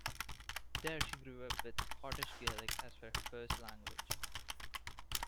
There she grew up with Scottish Gaelic as her first language.